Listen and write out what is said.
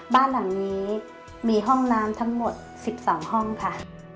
บ้านหลังนี้มีห้องน้ำทั้งหมด๑๒ห้องค่ะ